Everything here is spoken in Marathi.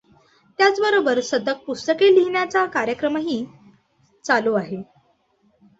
त्याच बरोबर सतत पुस्तके लिहिण्याचा कार्यक्रमही चालू आहे.